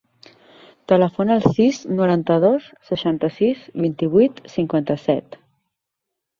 Telefona al sis, noranta-dos, seixanta-sis, vint-i-vuit, cinquanta-set.